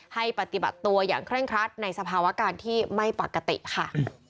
ให้ปฏิบัติตัวอย่างเคร่งครัดในสภาวะการที่ไม่ปกติค่ะ